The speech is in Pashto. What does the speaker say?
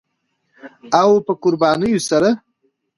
او په قربانیو سره